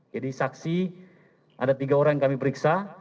jadi saksi ada tiga orang yang kami periksa